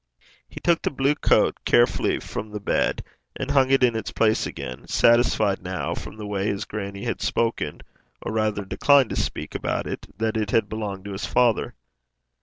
He took the blue coat carefully from the bed, and hung it in its place again, satisfied now, from the way his grannie had spoken, or, rather, declined to speak, about it, that it had belonged to his father.